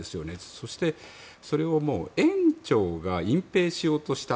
そして、それを園長が隠ぺいしようとした。